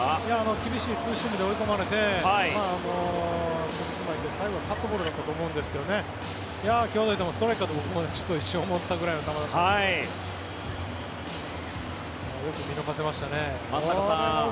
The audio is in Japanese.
厳しいツーシームで追い込まれて最後、カットボールだったと思うんですがストライクかと僕も一瞬思ったくらいの球でしたけどよく見逃しましたね。